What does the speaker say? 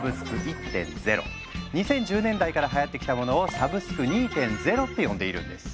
２０１０年代からはやってきたものを「サブスク２．０」って呼んでいるんです。